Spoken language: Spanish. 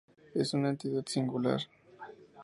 Es una entidad singular.